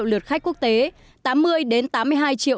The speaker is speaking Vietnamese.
lượt khách quốc tế tám mươi tám mươi hai triệu lượt khách nội địa